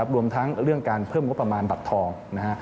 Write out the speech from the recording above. รวมทั้งเรื่องการเพิ่มงบประมาณบัตรทอง